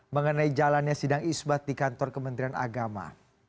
mengenai jalannya sidang isbat di kantor kementerian agama